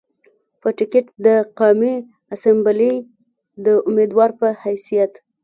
پۀ ټکټ د قامي اسمبلۍ د اميدوار پۀ حېثيت